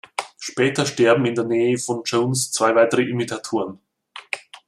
Später sterben in der Nähe von Jones zwei weitere Imitatoren.